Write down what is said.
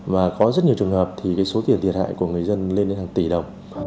và có rất nhiều trường hợp thì số tiền thiệt hại của người dân lên đến hàng tỷ đồng